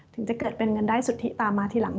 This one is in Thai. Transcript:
ถึงจะเกิดเป็นเงินได้สุทธิตามมาทีหลัง